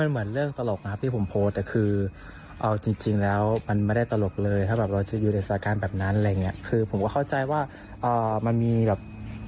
แต่เขาบอกว่าอยากให้ปรับปรุงเพื่อไม่ให้ใครมาเจอแบบนี้อีกฟังเขาเล่าครับ